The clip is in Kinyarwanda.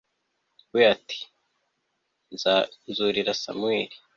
we ati Nzurira Samweli